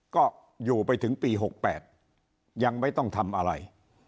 ก็อยู่ไปถึงปี๖๘ยังไม่ต้องทำอะไร